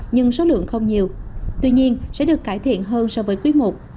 nhưng số lượng không nhiều tuy nhiên sẽ được cải thiện hơn so với cuối một